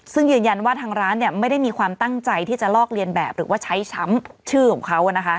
ซึ่งยืนยันว่าทางร้านไม่ได้มีความตั้งใจที่จะลอกเลียนแบบหรือว่าใช้ช้ำชื่อของเขา